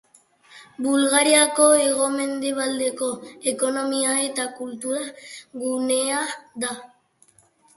Bulgariako hego-mendebaldeko ekonomia- eta kultura-gunea da.